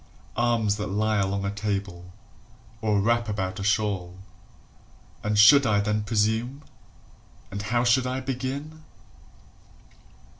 Arms that lie along a table, or wrap about a shawl. And should I then presume? And how should I begin?